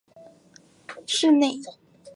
市内的气候颇为温和。